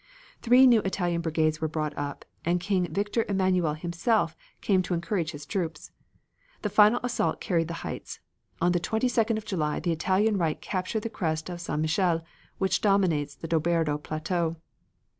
Three new Italian brigades were brought up, and King Victor Emanuel himself came to encourage his troops. The final assault carried the heights. On the 22d of July the Italian right captured the crest of San Michele, which dominates the Doberdo plateau.